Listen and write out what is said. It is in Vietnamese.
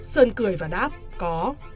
sơn cười và đáp có